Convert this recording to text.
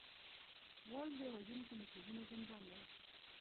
غول د وژونکو میکروبونو زندان دی.